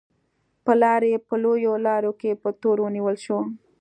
پلار یې په لویو لارو کې په تور ونیول شو.